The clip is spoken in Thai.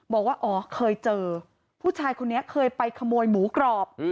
บอกว่าอ๋อเคยเจอผู้ชายคนนี้เคยไปขโมยหมูกรอบ